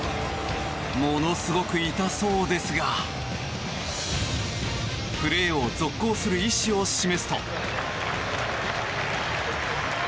ものすごく痛そうですがプレーを続行する意思を示すと。